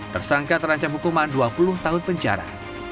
tersangka terancam hukuman dua puluh tahun penjara